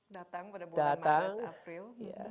datang pada bulan maret april